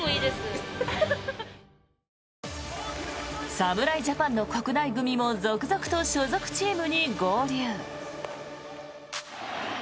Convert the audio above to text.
侍ジャパンの国内組も続々と所属チームに合流。